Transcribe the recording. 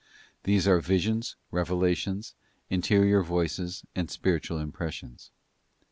These are visions, revelations, interior voices, and spiritual impressions.